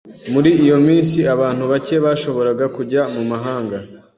Muri iyo minsi, abantu bake bashoboraga kujya mu mahanga.